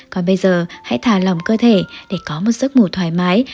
còn bây giờ hãy thả lòng cơ thể để có một giấc ngủ thoải mái